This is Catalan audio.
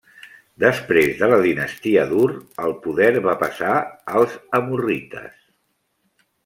Després de la dinastia d'Ur el poder va passar als amorrites.